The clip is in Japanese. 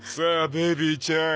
ベイビーちゃん